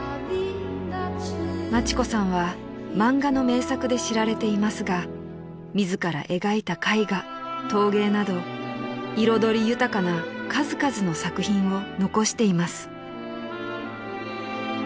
［町子さんは漫画の名作で知られていますが自ら描いた絵画陶芸など彩り豊かな数々の作品を残しています］